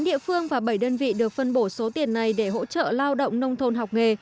tám địa phương và bảy đơn vị được phân bổ số tiền này để hỗ trợ lao động nông thôn học nghề